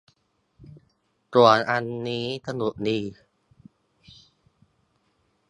ส่วนอันนี้สนุกดี